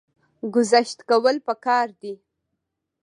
ګذشت کول پکار دي